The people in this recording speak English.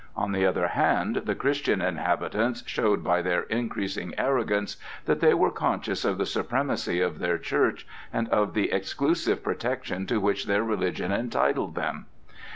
On the other hand, the Christian inhabitants showed by their increasing arrogance that they were conscious of the supremacy of their church and of the exclusive protection to which their religion entitled them.